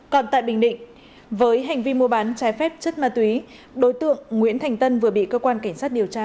còn tại bình định với hành vi mua bán trái phép chất ma túy đối tượng nguyễn thành tân vừa bị cơ quan cảnh sát điều tra